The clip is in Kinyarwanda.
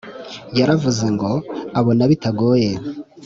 yaravuze ngo abona bitagoye